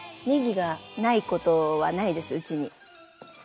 ねぎがないことはないですうちに。